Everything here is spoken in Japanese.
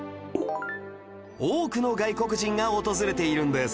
多くの外国人が訪れているんです